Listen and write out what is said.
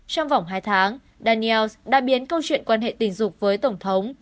trong vòng hai tháng daniels đã biến câu chuyện quan hệ tình dục với tổng thống